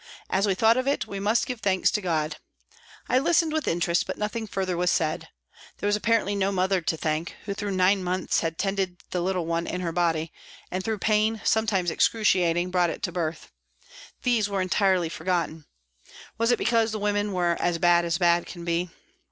As we thought of it, we must give thanks to God. I listened with interest, but nothing further was said. There was apparently WALTON GAOL, LIVERPOOL 285 no mother to thank, who through nine months had tended the little one in her body, and through pain, sometimes excruciating, brought it to birth. These were entirely forgotten. Was it because the women were " as bad as bad can be